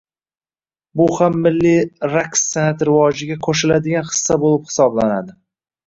Bu ham milliy raqs san’ati rivojiga qo‘shiladigan hissa bo‘lib hisoblanadi.